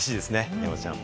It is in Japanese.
山ちゃん。